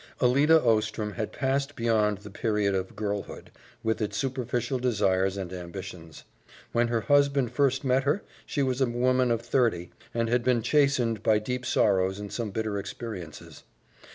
Alida Ostrom had passed beyond the period of girlhood, with its superficial desires and ambitions. When her husband first met her, she was a woman of thirty, and had been chastened by deep sorrows and some bitter experiences.